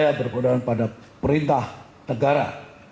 dan saya berpedoman kepada perintah negara